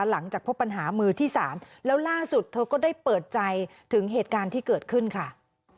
หลังจากพบปัญหามือที่สามแล้วล่าสุดเธอก็ได้เปิดใจถึงเหตุการณ์ที่เกิดขึ้นค่ะ